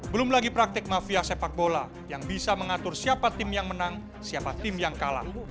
belum lagi praktik mafia sepak bola yang bisa mengatur siapa tim yang menang siapa tim yang kalah